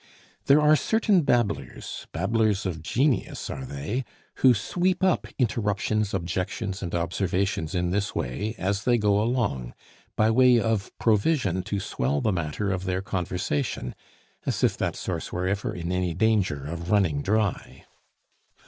There are certain babblers, babblers of genius are they, who sweep up interruptions, objections, and observations in this way as they go along, by way of provision to swell the matter of their conversation, as if that source were ever in any danger of running dry.